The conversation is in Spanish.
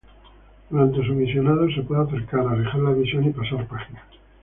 Durante su visionado se puede acercar, alejar la visión y pasar páginas.